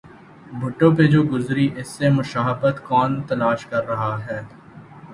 بھٹو پہ جو گزری اس سے مشابہت کون تلاش کر رہا ہے؟